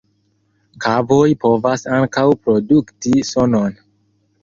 Kavoj povas ankaŭ produkti sonon.